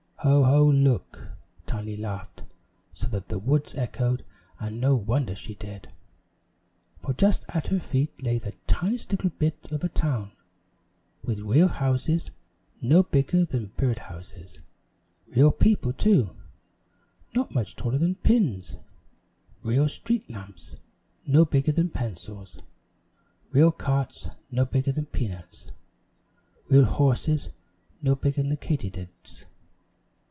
"Oh, oh, look!" Tiny laughed so that the woods echoed, and no wonder she did for just at her feet lay the tiniest little bit of a town with real houses, no bigger than bird houses; real people, too, not much taller than pins; real street lamps no bigger than pencils; real carts no bigger than peanuts; real horses no bigger than katydids.